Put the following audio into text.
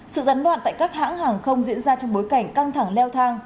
sự gián đoạn tại các hãng hàng không diễn ra trong bối cảnh căng thẳng leo thang